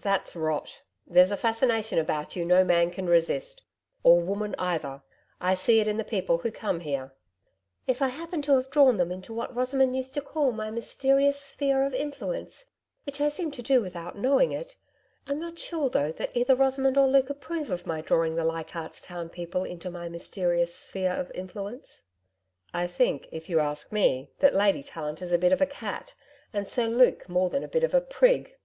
'That's rot. There's a fascination about you no man can resist or woman either. I see it in the people who come here.' 'If I happen to have drawn them into what Rosamond used to call my mysterious sphere of influence which I seem to do without knowing it. I'm not sure, though, that either Rosamond or Luke approve of my drawing the Leichardt's Town people into my mysterious sphere of influence.' 'I think, if you ask me, that Lady Tallant is a bit of a cat, and Sir Luke more than a bit of a prig.' 'No.